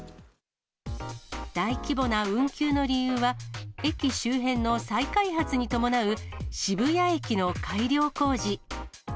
大規模な運休の理由は、駅周辺の再開発に伴う渋谷駅の改良工事。